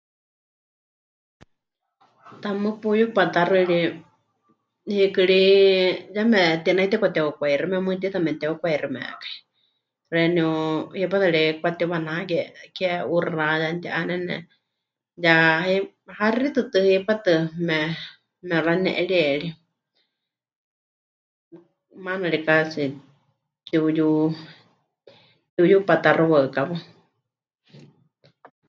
Tamɨ́ puyupatáxɨ ri, hiikɨ ri yeme tinai tepɨkate'ukwaixime mɨɨkɨ tiita memɨte'ukwaiximekai, xeeníu hipátɨ ri pɨkatiwanake ke'uxa, ya mɨti'ánene, ya hei... haxi tɨtɨ hipátɨ me... mepɨxani'erie ri, maana ri casi pɨtiuyu... pɨtiuyupatáxɨ waɨkawa.